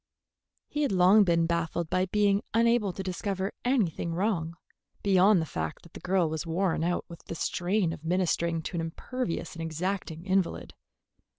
He had long been baffled by being unable to discover anything wrong, beyond the fact that the girl was worn out with the strain of ministering to an imperious and exacting invalid.